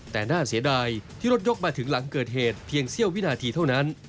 แต่น่าเสียดายที่รถยกมาถึงหลังเกิดเหตุเพียงเสี้ยววินาทีเท่านั้น